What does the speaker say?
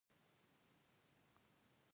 نو هغه دې ځان له بار بار دا تسلي ورکوي